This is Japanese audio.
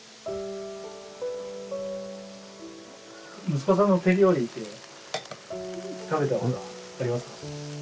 息子さんの手料理って食べたことはありますか？